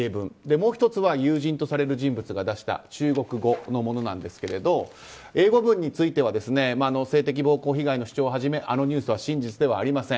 もう１つは友人とされる人物が出した中国語のものなんですが英語文については性的暴行被害の主張をはじめあのニュースは真実ではありません。